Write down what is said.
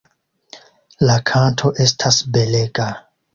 La kanto estas belega.